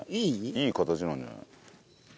いい形なんじゃない？